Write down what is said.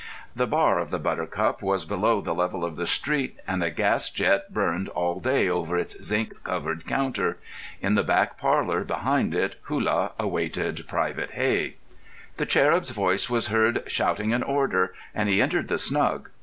The bar of the Buttercup was below the level of the street, and a gas jet burned all day over its zinc covered counter. In the back parlour behind it Hullah awaited Private Hey. The cherub's voice was heard shouting an order, and he entered the snug.